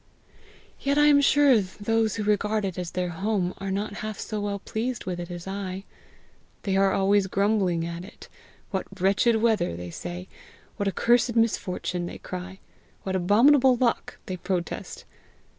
Yet I am sure those who regard it as their home, are not half so well pleased with it as I. They are always grumbling at it. 'What wretched weather!' they say. 'What a cursed misfortune!' they cry. 'What abominable luck!' they protest.